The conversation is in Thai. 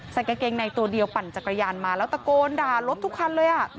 ใส่กางเกงในตัวเดียวปั่นจักรยานมาแล้วตะโกนด่ารถทุกคันเลย